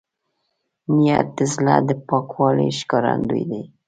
نیت د زړه د پاکوالي ښکارندوی دی.